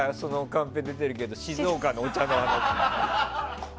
カンペ出てるけど静岡のお茶の話。